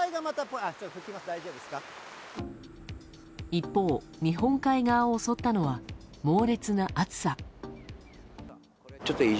一方、日本海側を襲ったのは猛烈な暑さ。